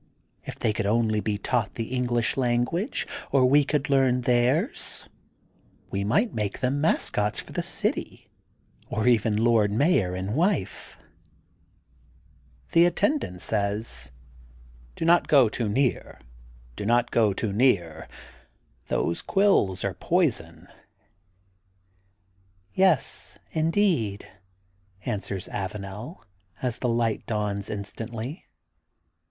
If they could THE GOLDEN BOOK OF SPRINGFIELD 219 only be taught the English language, or we could learn theirs, we might make them mas cots for the city, or even Lord Mayor and Wife/' The attendant says: Do not go too near. Those quills are poison/* Yes, indeed, answers Avanel as the light dawns instantly.